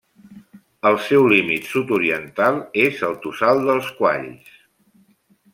El seu límit sud-oriental és el Tossal dels Qualls.